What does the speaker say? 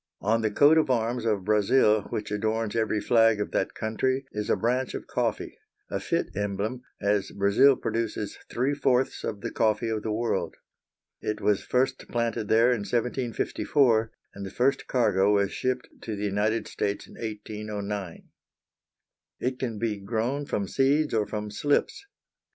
On the coat of arms of Brazil which adorns every flag of that country is a branch of coffee, a fit emblem, as Brazil produces three fourths of the coffee of the world. It was first planted there in 1754, and the first cargo was shipped to the United States in 1809. It can be grown from seeds or from slips.